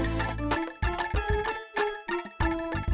saya berharap tidak